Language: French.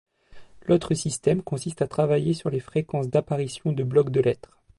L'autre système consiste à travailler sur les fréquences d'apparition de blocs de lettres.